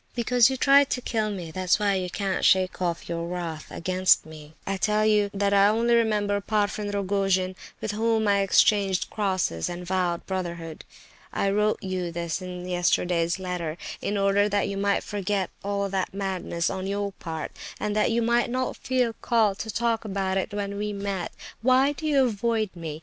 Because you tried to kill me—that's why you can't shake off your wrath against me. I tell you that I only remember the Parfen Rogojin with whom I exchanged crosses, and vowed brotherhood. I wrote you this in yesterday's letter, in order that you might forget all that madness on your part, and that you might not feel called to talk about it when we met. Why do you avoid me?